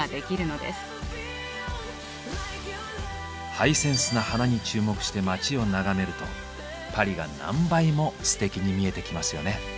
ハイセンスな花に注目して街を眺めるとパリが何倍もステキに見えてきますよね。